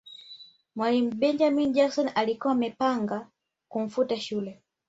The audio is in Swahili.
mwalimu benjamin jackson alikuwa amepanga kumfuta shule